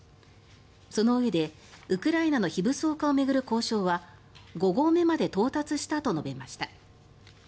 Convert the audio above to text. そのうえでウクライナの非武装化を巡る交渉は５合目まで到達したと述べました。